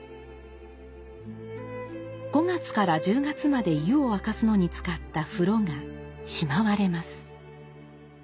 ５月から１０月まで湯を沸かすのに使った風炉がしまわれます。